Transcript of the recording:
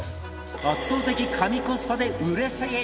圧倒的、神コスパで売れすぎ！